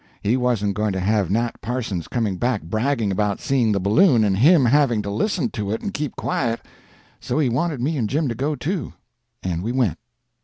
He wasn't going to have Nat Parsons coming back bragging about seeing the balloon, and him having to listen to it and keep quiet. So he wanted me and Jim to go too, and we went.